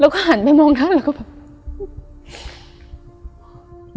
แล้วก็หันไปมองท่านแล้วก็แบบ